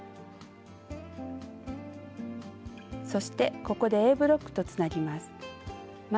そしてここでＡブロックとつなぎます。